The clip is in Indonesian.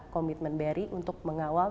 komitmen barry untuk mengawal